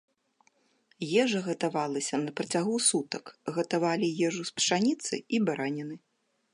Ежа гатавалася на працягу сутак, гатавалі ежу з пшаніцы і бараніны.